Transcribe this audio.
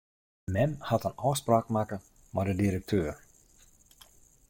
Mem hat in ôfspraak makke mei de direkteur.